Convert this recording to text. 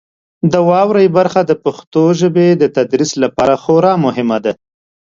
د واورئ برخه د پښتو ژبې د تدریس لپاره خورا مهمه ده.